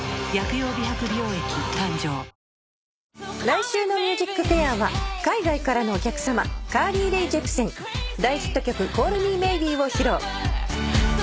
来週の『ＭＵＳＩＣＦＡＩＲ』は海外からのお客さまカーリー・レイ・ジェプセン大ヒット曲『ＣａｌｌＭｅＭａｙｂｅ』を披露。